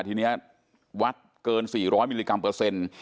ทีนี้วัดเกิน๔๐๐มิลลิกรัมเปอร์เซ็นต์